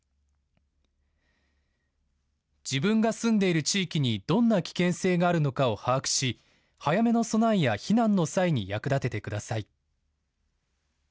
自分が住んでいる地域にどんな危険性があるのかを把握し早めの備えや避難の際に役立ててください。